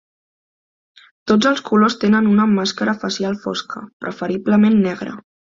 Tots els colors tenen una màscara facial fosca, preferiblement negra.